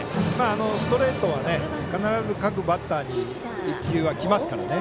ストレートは必ず各バッターに１球はきますからね